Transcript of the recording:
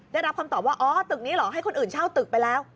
ได้รับคำตอบว่าอ๋อตึกนี้เหรอให้คนอื่นเช่าตึกไปแล้ว